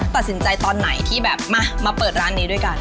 ตัดสินใจตอนไหนที่แบบมาเปิดร้านนี้ด้วยกัน